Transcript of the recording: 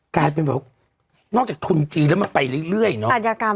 กายเป็อนแบบนอกจากทุนจีนแล้วไปเรื่อย